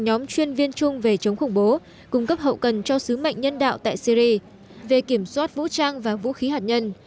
nhóm chuyên viên chung về chống khủng bố cung cấp hậu cần cho sứ mệnh nhân đạo tại syri về kiểm soát vũ trang và vũ khí hạt nhân